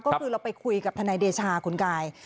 ก็คือเราไปคุยกับทนายเดชาคุณกาย